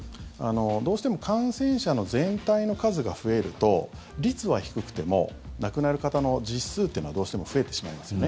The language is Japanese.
どうしても感染者の全体の数が増えると率は低くても亡くなる方の実数っていうのはどうしても増えてしまいますよね。